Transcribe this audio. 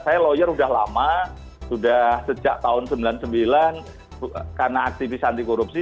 saya lawyer udah lama sudah sejak tahun sembilan puluh sembilan karena aktivis anti korupsi